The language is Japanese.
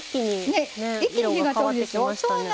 一気に火が通るでしょ。